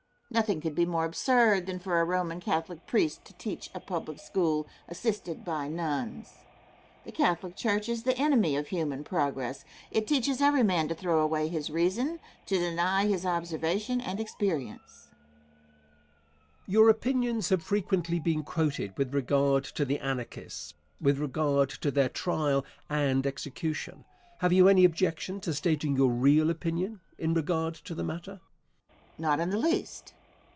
Nothing could be more absurd than for a Roman Catholic priest to teach a public school, assisted by nuns. The Catholic Church is the enemy of human progress; it teaches every man to throw away his reason, to deny his observation and experience. Question. Your opinions have frequently been quoted with regard to the Anarchists with regard to their trial and execution. Have you any objection to stating your real opinion in regard to the matter? Answer. Not in the least.